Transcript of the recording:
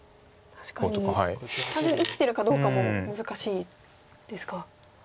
確かに完全に生きてるかどうかも難しいですか。